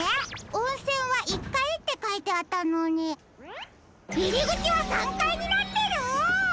おんせんは１かいってかいてあったのにいりぐちは３かいになってる！？